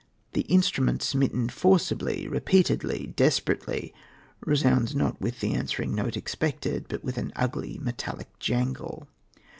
The instrument, smitten forcibly, repeatedly, desperately, resounds not with the answering note expected, but with an ugly, metallic jangle.